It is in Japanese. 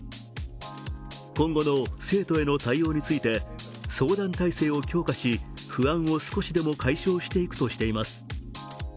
今後の生徒への対応について相談体制を強化し不安を少しでも解消していくとしています。